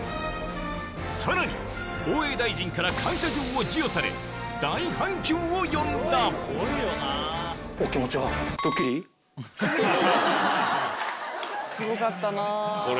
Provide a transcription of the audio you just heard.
さらに防衛大臣から感謝状を授与され大反響を呼んだこれ。